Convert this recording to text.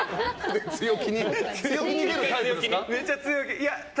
強気に出るタイプですか？